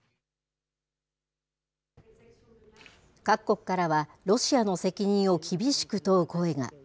各国からは、ロシアの責任を厳しく問う声が。